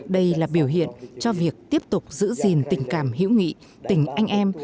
đây là biểu hiện cho việc tiếp tục giữ gìn tình cảm hữu nghị tình anh em